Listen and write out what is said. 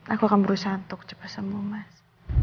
aku akan berusaha untuk cepat sembuh mas